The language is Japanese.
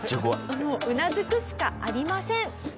もううなずくしかありません。